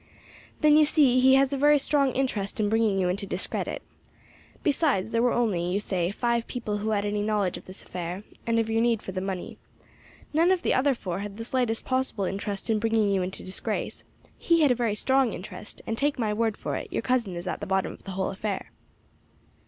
"Then you see he has a very strong interest in bringing you into discredit. Besides there were only, you say, five people who had any knowledge of this affair, and of your need for the money. None of the other four had the slightest possible interest in bringing you into disgrace; he had a very strong interest, and, take my word for it, your cousin is at the bottom of the whole affair."